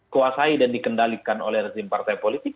kuasai dan dikendalikan oleh rezim partai politik